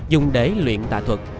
dùng đế luyện tạ thuật